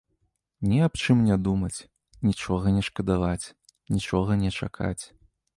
Ні аб чым не думаць, нічога не шкадаваць, нічога не чакаць.